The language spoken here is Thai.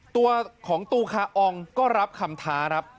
ตัวของตูคาอองก็รับคำท้าครับ